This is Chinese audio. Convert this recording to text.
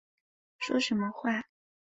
说什么话